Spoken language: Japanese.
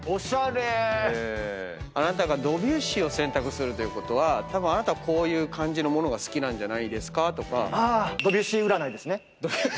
あなたがドビュッシーを選択するということはたぶんあなたはこういう感じのものが好きなんじゃないですかとか。